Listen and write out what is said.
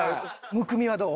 むくみはどう？